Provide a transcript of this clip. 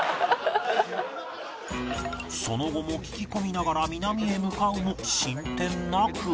その後も聞き込みながら南へ向かうも進展なく